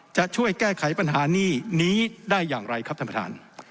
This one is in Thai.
จะช่วยแก้ไขปัญหาหนี้นี้ได้อย่างไรครับท่านประธาน